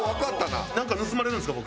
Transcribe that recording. なんか盗まれるんですか？